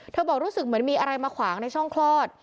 บอกรู้สึกเหมือนมีอะไรมาขวางในช่องคลอด